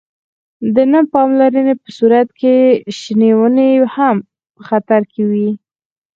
د نه پاملرنې په صورت کې آن شنې ونې هم په خطر کې وي.